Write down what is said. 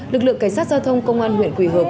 lực lượng cảnh sát giao thông công an huyện quỳ hợp